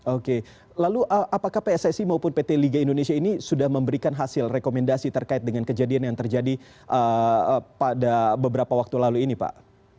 oke lalu apakah pssi maupun pt liga indonesia ini sudah memberikan hasil rekomendasi terkait dengan kejadian yang terjadi pada beberapa waktu lalu ini pak